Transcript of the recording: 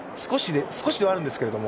少しではあるんですが。